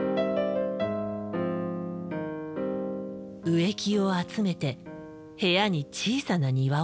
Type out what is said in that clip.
植木を集めて部屋に小さな庭をつくる。